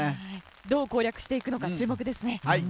どう攻略していくのか注目ですね。